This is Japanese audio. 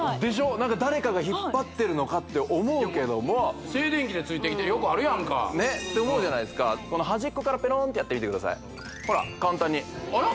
何か誰かが引っ張ってるのかって思うけども静電気でついてきてよくあるやんかて思うじゃないですか端っこからペロンってやってみてくださいほら簡単にあら？